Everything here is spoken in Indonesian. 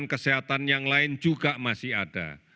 kesehatan yang lain juga masih ada